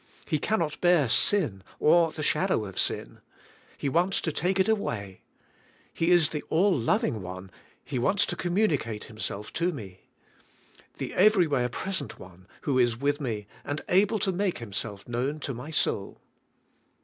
He cannot bear sin or the shadow of sin. He wants to take it away. He is the Ail Loving One, He wants to communicate Himself to me. The Every where Present One, who is with me and able to make Himself known to my soul."